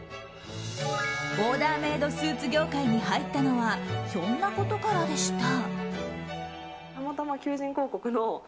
オーダーメイドスーツ業界に入ったのはひょんなことからでした。